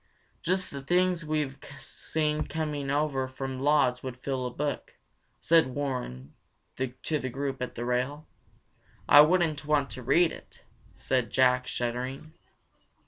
"Just the things we have seen coming over from Lodz would fill a book," said Warren to the group at the rail. "I wouldn't want to read it," said Jack, shuddering.